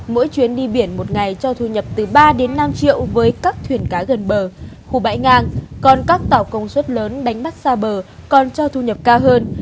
mỗi chuyến đi biển một ngày cho thu nhập từ ba đến năm triệu với các thuyền cá gần bờ khu bãi ngang còn các tàu công suất lớn đánh bắt xa bờ còn cho thu nhập cao hơn